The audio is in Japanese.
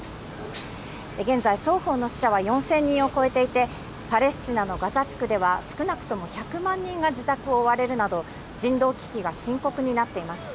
現在、双方の死者は４０００人を超えていて、パレスチナのガザ地区では少なくとも１００万人が自宅を追われるなど、人道危機が深刻になっています。